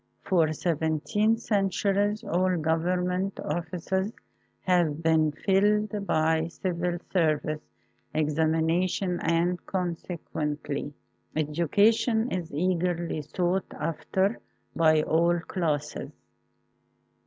For seventeen centuries all Govern ment offices have been filled by civil service examinations and consequently education is eagerly sought after by all classes.